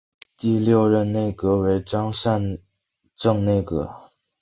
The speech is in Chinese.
第六任内阁为张善政内阁。